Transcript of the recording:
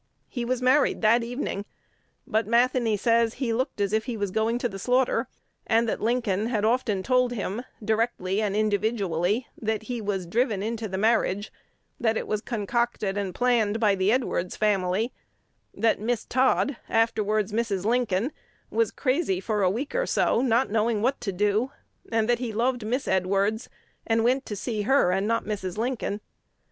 '" He was married that evening, but Matheny says, "he looked as if he was going to the slaughter," and that Lincoln "had often told him, directly and individually, that he was driven into the marriage; that it was concocted and planned by the Edwards family; that Miss Todd afterwards Mrs. Lincoln was crazy for a week or so, not knowing what to do; and that he loved Miss Edwards, and went to see her, and not Mrs. Lincoln."